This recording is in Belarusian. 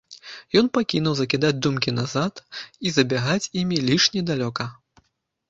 Ён пакінуў закідаць думкі назад і забягаць імі лішне далёка.